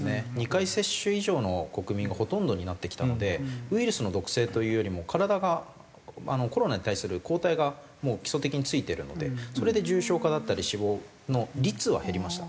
２回接種以上の国民がほとんどになってきたのでウイルスの毒性というよりも体がコロナに対する抗体がもう基礎的についてるのでそれで重症化だったり死亡の率は減りました。